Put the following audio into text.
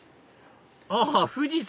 あ富士山！